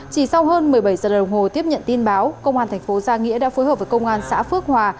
chỉ sau hơn một mươi bảy giờ đồng hồ tiếp nhận tin báo công an thành phố gia nghĩa đã phối hợp với công an xã phước hòa